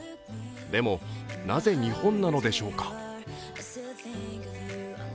でも、なぜ日本なのでしょうか。